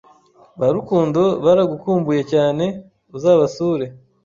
Ba Rukundo baragukumbuye cyane uzabasure